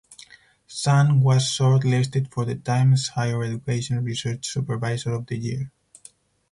Sun was shortlisted for the Times Higher Education Research Supervisor of the Year.